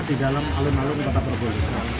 di dalam alun alun kota probolinggo